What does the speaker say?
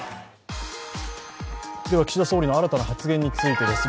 岸田総理の新たな発言についてです。